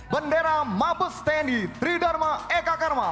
bendera mabes tni tridharma eka karma